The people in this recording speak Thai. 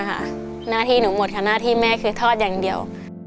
หน้าที่หนูหมดค่ะหน้าที่แม่คือทอดอย่างเดียว